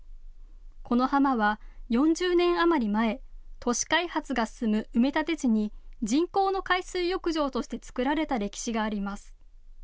この浜は４０年余り前、都市開発が進む埋め立て地に人工の海水浴場として作られた歴史があります。